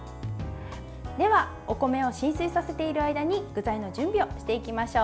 では、お米を浸水させている間に具材の準備をしていきましょう。